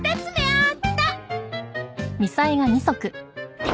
あっ！